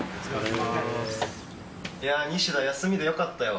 いや、ニシダ休みでよかったよ。